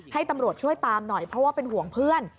ให้ตำรวจช่วยตามหน่อยเพราะว่าเป็นห่วงเพื่อน